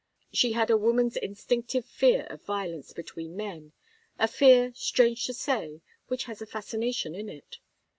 She had a woman's instinctive fear of violence between men a fear, strange to say, which has a fascination in it.